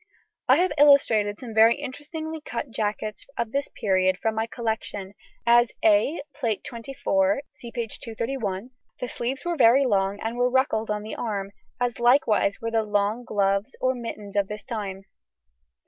I have illustrated some very interestingly cut jackets of this period from my collection, as A, Plate XXIV (see p. 231); the sleeves were very long and were ruckled on the arm, as likewise were the long gloves or mittens of this time.